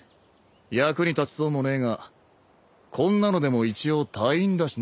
役に立ちそうもねえがこんなのでも一応隊員だしな。